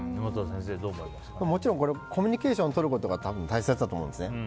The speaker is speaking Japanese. もちろんコミュニケーションをとることが多分、大切だと思うんですね。